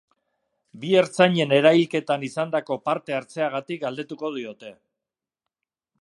Bi ertzainen erailketan izandako parte-hartzeagatik galdetuko diote.